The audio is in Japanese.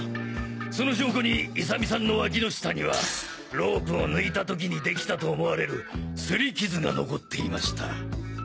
その証拠に勇美さんの脇の下にはロープを抜いた時に出来たと思われるスリ傷が残っていました。